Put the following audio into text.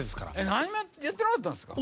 何もやってなかったんですか？